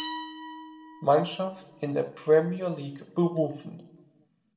Mannschaft in der Premier League berufen.